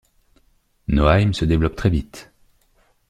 Nauheim se développe très vite.